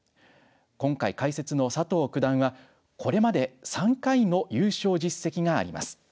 今回解説の佐藤九段はこれまで３回の優勝実績があります。